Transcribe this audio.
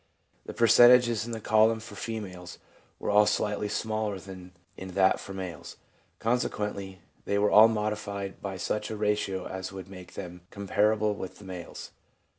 The percentages in the column for females were all slightly smaller than in that for males; consequently, they were all modified by such a ratio as would make make them comparable with the males.